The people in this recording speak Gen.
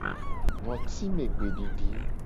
Ngotimegbedidi.